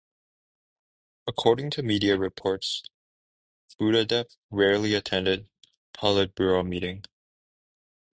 According to media reports Budhadeb rarely attended Politburo meeting.